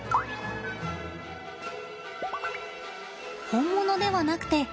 本物ではなくて。